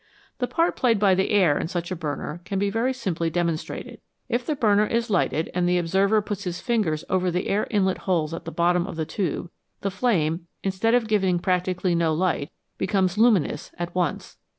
The part played by the air in such a burner can be very simply demonstrated. If the burner is lighted and the observer puts his fingers over the air inlet holes at the bottom of the tube, the flame, instead of giving practically no light, becomes luminous at once.